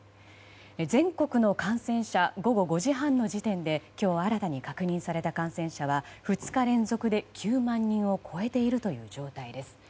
全国の感染者午後５時半の時点で今日新たに確認された感染者は２日連続で９万人を超えているという状態です。